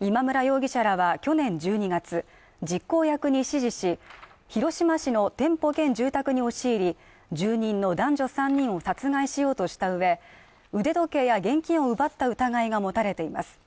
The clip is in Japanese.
今村容疑者らは去年１２月、実行役に指示し、広島市の店舗兼住宅に押し入り、住人の男女３人を殺害しようとした上、腕時計や現金を奪った疑いが持たれています。